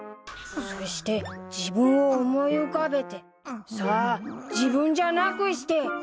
そして自分を思い浮かべてさあ自分じゃなくして。